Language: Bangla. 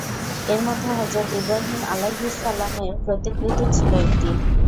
এর মধ্যে হযরত ইব্রাহিম আলাইহিস সালাম-এর প্রতিকৃতির ছিল একটি।